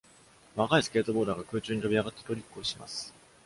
若いスケートボーダーが空中に飛び上がってトリックをします。